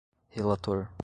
relator